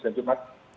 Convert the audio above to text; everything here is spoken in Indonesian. dan cuma tindakan